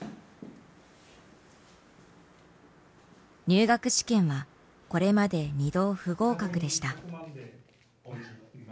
入学試験はこれまで２度不合格でした。